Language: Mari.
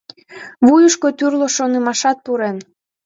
Вуйышко тӱрлӧ шонымашат пурен.